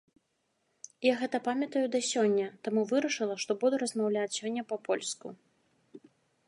Я гэта памятаю да сёння, таму вырашыла, што буду размаўляць сёння па-польску.